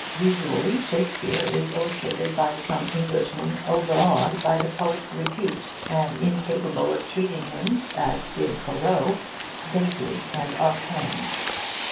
Usually, Shakespeare is illustrated by some Englishman overawed by the poet's repute, and incapable of treating him, as did Corot, vaguely and offhand.